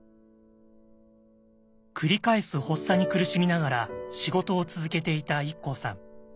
繰り返す発作に苦しみながら仕事を続けていたＩＫＫＯさん。